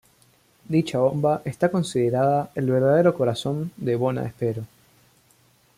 Dicha bomba está considerada el verdadero corazón de Bona Espero.